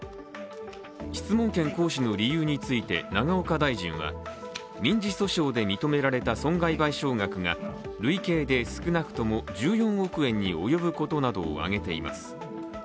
質問権行使の理由について、永岡大臣は民事訴訟で認められた損害賠償額が累計で少なくとも１４億円に及ぶことなどを挙げています。